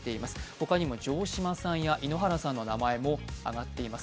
ほかにも城島さんや井ノ原さんの名前も挙がっています。